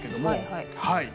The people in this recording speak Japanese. はいはい。